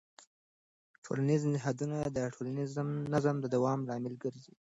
ټولنیز نهادونه د ټولنیز نظم د دوام لامل کېږي.